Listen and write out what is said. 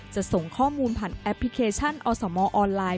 ส่งข้อมูลผ่านแอปพลิเคชันอสมออนไลน์